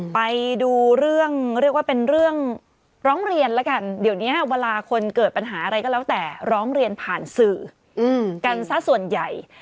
ไปดูเรื่องเรียกว่าเป็นเรื่องร้องเรียนแล้วกันเดี๋ยวนี้เวลาคนเกิดปัญหาอะไรก็แล้วแต่ร้องเรียนผ่านสื่อกันซะส่วนใหญ่